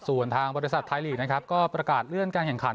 ส่วนทางบริษัทไทยลีกนะครับก็ประกาศเลื่อนการแข่งขัน